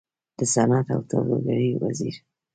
د صنعت او سوداګرۍ وزير